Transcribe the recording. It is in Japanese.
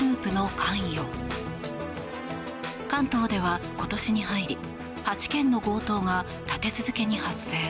関東では今年に入り８件の強盗が立て続けに発生。